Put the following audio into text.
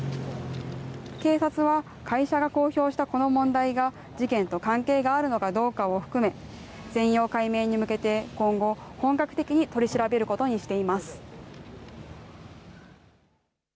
警察は、会社が公表したこの問題が、事件と関係があるのかどうかを含め、全容解明に向けて今後、本格的に取り調べることにしています。